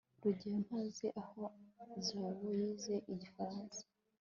rugeyo ntazi aho jabo yize igifaransa